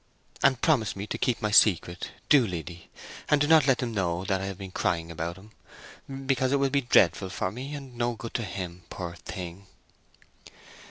And promise me to keep my secret—do, Liddy! And do not let them know that I have been crying about him, because it will be dreadful for me, and no good to him, poor thing!"